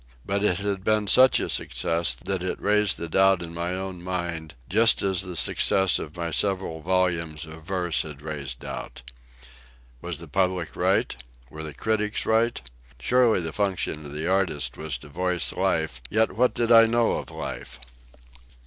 But it had been such a success that it raised the doubt in my own mind, just as the success of my several volumes of verse had raised doubts. Was the public right? Were the critics right? Surely the function of the artist was to voice life, yet what did I know of life?